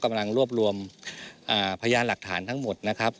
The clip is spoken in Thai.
กำลังรวบรวมพยานหลักฐานทั้งหมดนะครับ